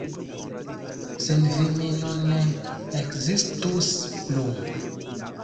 Sen vi mi nun ne ekzistus plu!